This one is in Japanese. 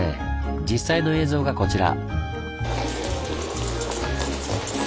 実際の映像がこちら。